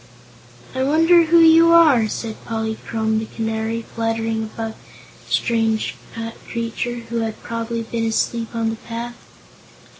"I wonder who you are?" said Polychrome the Canary, fluttering above the strange creature, who had probably been asleep on the path.